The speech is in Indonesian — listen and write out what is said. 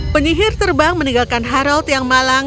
penyihir terbang meninggalkan harold yang malang